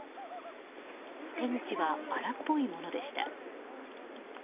手口は荒っぽいものでした。